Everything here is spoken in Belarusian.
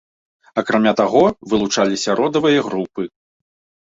Акрамя таго, вылучаліся родавыя групы.